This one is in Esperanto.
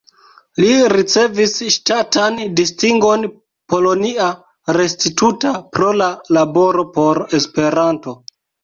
Li ricevis ŝtatan distingon "Polonia Restituta" pro la laboro por Esperanto.